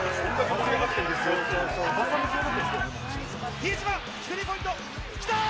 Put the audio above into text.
比江島、スリーポイント、きたー！